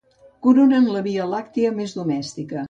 Coronen la Via Làctia més domèstica.